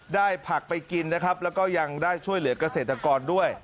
ผักไปกินนะครับแล้วก็ยังได้ช่วยเหลือกเกษตรกรด้วย